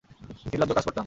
নিলজ্জ কাজ করতাম।